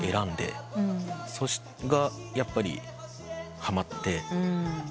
それがやっぱりはまって。